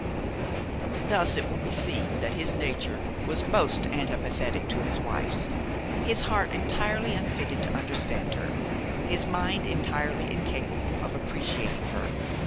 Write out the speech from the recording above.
Thus it will be seen that his nature was most antipathetic to his wife's, his heart entirely unfitted to understand her, his mind entirely incapable of appreciating her.